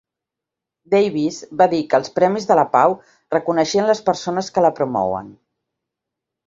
Davis va dir que els premis de la pau reconeixen les persones que la promouen.